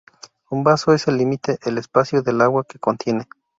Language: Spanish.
Un vaso es el límite, el espacio, del agua que contiene.